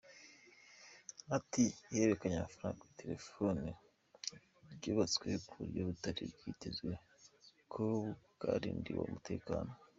Ati “Iherekanyamafaranga kuri telefoni ryubatswe ku buryo butari bwitezwe ko bwarindirwa umutekano.